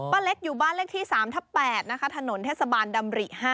ป้าเล็กอยู่บ้านเลขที่๓๘ถนนเทศบาลดำริ๕